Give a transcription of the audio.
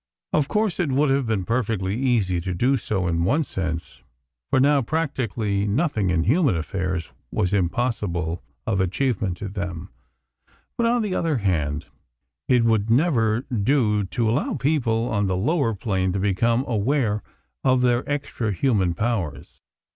Of course, it would have been perfectly easy to do so in one sense, for now, practically nothing in human affairs was impossible of achievement to them; but, on the other hand, it would never do to allow people on the lower plane to become aware of their extra human powers.